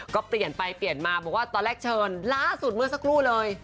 ก็เปลี่ยนไปเปลี่ยนมาบอกว่าตอนแรกเชิญล่าสุดเมื่อสักครู่เลย